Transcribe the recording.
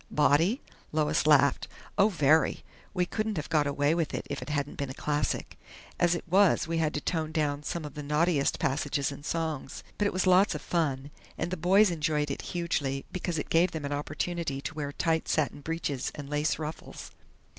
"Bawdy?" Lois laughed. "Oh, very! We couldn't have got away with it if it hadn't been a classic. As it was, we had to tone down some of the naughtiest passages and songs. But it was lots of fun, and the boys enjoyed it hugely because it gave them an opportunity to wear tight satin breeches and lace ruffles....